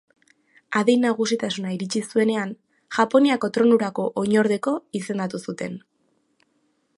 Adin nagusitasuna iritsi zuenean, Japoniako tronurako oinordeko izendatu zuten.